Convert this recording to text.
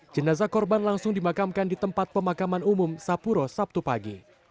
jenazah korban langsung dimakamkan di tempat pemakaman umum sapuro sabtu pagi